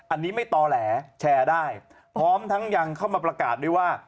อันนี้ไม่ต่อแหลแชร์ได้พร้อมทั้งยังเข้ามาประกาศด้วยว่า